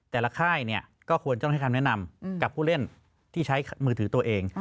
ค่ายก็ควรต้องให้คำแนะนำกับผู้เล่นที่ใช้มือถือตัวเอง